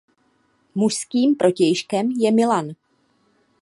Mužským protějškem je Milan.